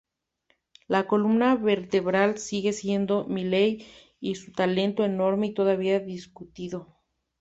La columna vertebral sigue siendo Miley y su talento enorme y todavía discutido.